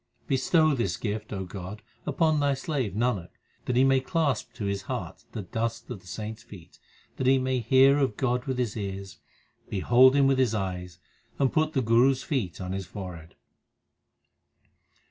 Bestow this gift, O God, upon Thy slave Nanak, that he may clasp to his heart the dust of the saints feet, That he may hear of God with his ears, behold Him with his eyes, and put the Guru s feet on his forehead.